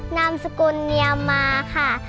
นามสกุลเนียมมาค่ะ